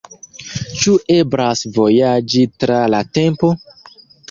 Ĉu eblas vojaĝi tra la tempo?